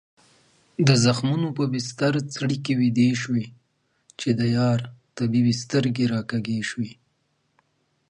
طبیعت ته کتل انسان له غرور څخه لیرې کوي او عاجزي ور زده کوي.